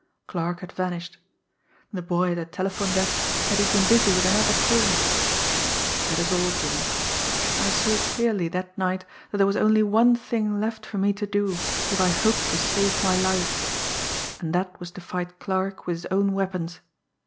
Clarke had vanished. The boy at the telephone desk said he had been busy with another call. That is all, Jimmie. I saw clearly that night that there was only one thing left for me to do if I hoped to save my life, and that was to fight Clarke with his own weapons.